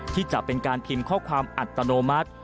ที่จะเป็นการพิมพ์ข้อความอัตโนมัติ